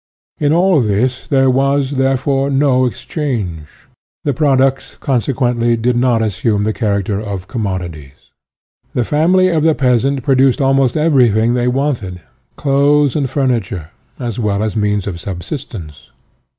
In all this there was, therefore, no exchange; the products, consequently, did not assume the character of commodities. The family of the peasant produced almost everything they wanted : clothes and furniture, as well as means of subsistence.